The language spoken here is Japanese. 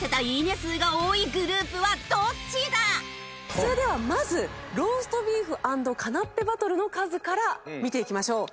それではまずローストビーフ＆カナッペバトルの数から見ていきましょう。